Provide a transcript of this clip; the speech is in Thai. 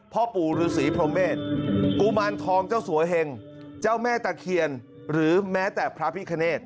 พ่อปู่ฤษีพรหมเมษกุมารทองเจ้าสัวเหงเจ้าแม่ตะเคียนหรือแม้แต่พระพิคเนต